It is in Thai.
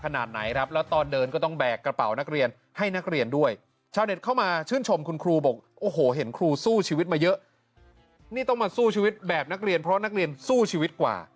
แกต้องมาสู้ชีวิตแบบนักเรียนเพราะว่านักเรียนสู้ชีวิตกว่า